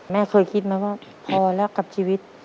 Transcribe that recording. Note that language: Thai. แม่เคยคิดไหมว่าพอแล้วกับชีวิต